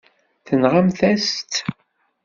Tenɣamt-as-tt.